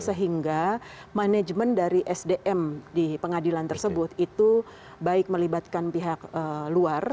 sehingga manajemen dari sdm di pengadilan tersebut itu baik melibatkan pihak luar